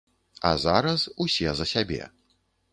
А зараз ўсе за сябе.